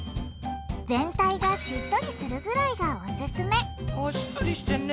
全体がしっとりするぐらいがオススメあしっとりしてんね。